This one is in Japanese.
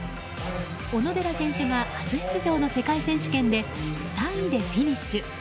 小野寺選手が初出場の世界選手権で３位でフィニッシュ。